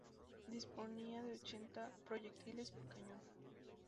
Disponía de ochenta proyectiles por cañón.